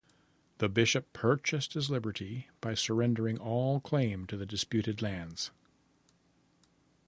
The bishop purchased his liberty by surrendering all claim to the disputed lands.